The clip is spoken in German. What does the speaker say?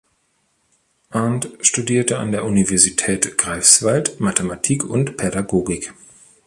Arndt studierte an der Universität Greifswald Mathematik und Pädagogik.